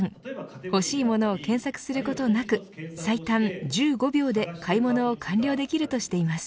欲しい物を検索することなく最短１５秒で、買い物を完了できるとしています。